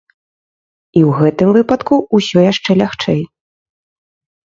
І ў гэтым выпадку ўсё яшчэ лягчэй.